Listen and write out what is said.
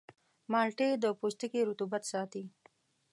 مالټې د پوستکي رطوبت ساتي.